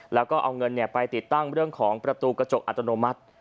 แล้วก็เอาเงินไปติดตั้งเรื่องของประตูกระจกอัตโนมัติ